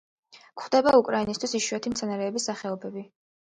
გვხვდება უკრაინისთვის იშვიათი მცენარეების სახეობები.